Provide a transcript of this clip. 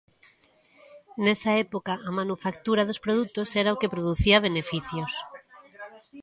Nesa época, a manufactura dos produtos era o que producía beneficios.